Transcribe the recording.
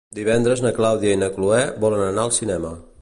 Divendres na Clàudia i na Cloè volen anar al cinema.